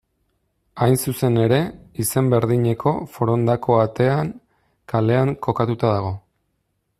Hain zuzen ere, izen berdineko Forondako atea kalean kokatua dago.